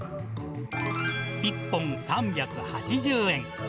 １本３８０円。